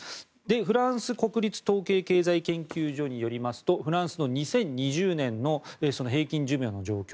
フランス国立統計経済研究所によりますとフランスの２０２０年の平均寿命の状況